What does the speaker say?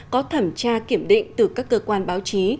có thẩm tra kiểm định từ các cơ quan báo chí